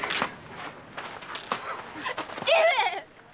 父上！